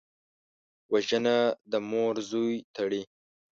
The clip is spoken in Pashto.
وژنه د مور زوی تړي